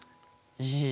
いい！